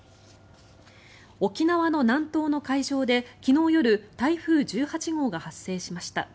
沖縄の南東の海上で昨日夜台風１８号が発生しました。